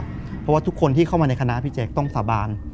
เพราะว่าทุกคนที่เข้ามาในคณะพี่แจ๊คต้องสาบาน